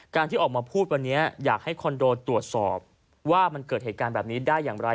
ที่ออกมาพูดวันนี้อยากให้คอนโดตรวจสอบว่ามันเกิดเหตุการณ์แบบนี้ได้อย่างไร